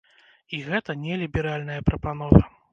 І гэта не ліберальная прапанова.